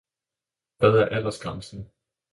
Hvad er aldersgrænsen?